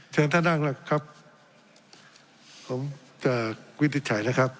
เชิญท่านอังกฤษครับผมจะวิจัยนะครับ